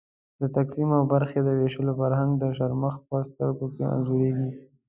د تقسیم او برخې د وېشلو فرهنګ د شرمښ په سترګو کې انځورېږي.